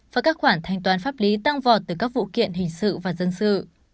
và các khoản thanh toán pháp lý tăng vọt từ các vụ kiện hình sự và dân sự